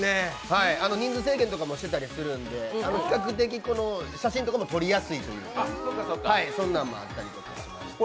人数制限とかもしていたりするんで、比較的、写真とかも撮りやすいという、そんなのもあったりして。